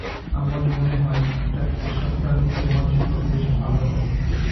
আমার মনে হয় একটা পোষাপ্রাণী তোমার জন্য বেশ ভালো হবে।